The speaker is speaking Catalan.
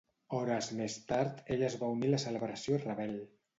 Hores més tard ell es va unir a la celebració rebel.